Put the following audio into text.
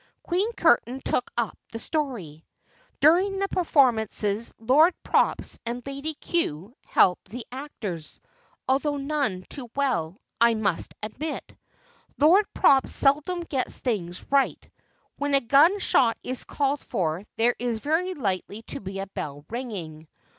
Queen Curtain took up the story. "During the performances Lord Props and Lady Cue help the actors, although none too well, I must admit. Lord Props seldom gets things right: when a gun shot is called for there is very likely to be a bell ringing.